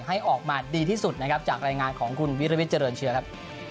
ให้ออกมาดีที่สุดนะครับจากรายงานของคุณวิรวิทย์เจริญเชื้อครับ